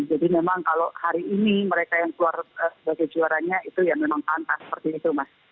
jadi memang kalau hari ini mereka yang keluar sebagai juaranya itu yang memang pantas seperti itu mbak